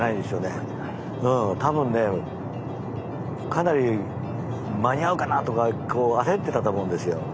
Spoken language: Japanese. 多分ねかなり間に合うかなとか焦ってたと思うんですよ。